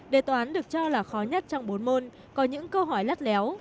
đề toán được cho là khó nhất trong bốn môn có những câu hỏi lắt léo